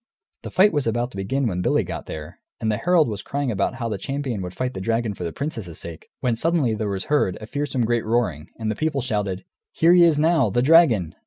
The fight was about to begin when Billy got there, and the herald was crying out how the champion would fight the dragon for the princess's sake, when suddenly there was heard a fearsome great roaring, and the people shouted, "Here he is now, the dragon!"